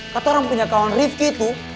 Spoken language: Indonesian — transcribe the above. kata orang punya kawan rifki tuh